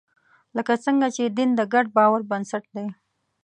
لکه څنګه چې دین د ګډ باور بنسټ دی.